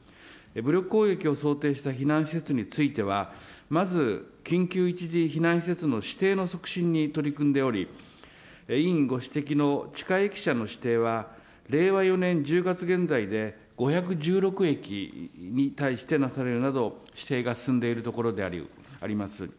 武力攻撃を想定した避難施設については、まず緊急一時避難施設の指定の促進に取り組んでおり、委員ご指摘の地下駅舎の指定は、令和４年１０月現在で、５１６駅に対してなされるなど、指定が進んでいるところであります。